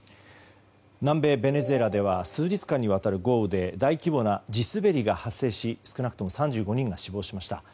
南米ベネズエラでは数日間にわたる豪雨で大規模な地滑りが発生し少なくとも３５人が死亡しました。